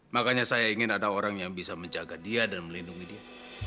makanya saya ingin ada orang yang bisa menjaga dia dan melindungi dia